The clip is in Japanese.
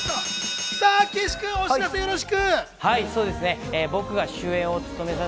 岸君、お知らせよろしく！